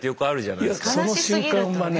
いやその瞬間はね